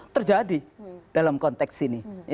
terjadi dalam konteks ini